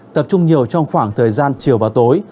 tập trung nhiều trong khoảng thời gian chiều và tối